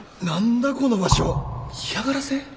何だこの場所嫌がらせ？